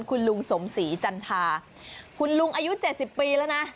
คุณลุงสมศรีจันทาคุณลุงอายุ๗๐ปีแล้วนะ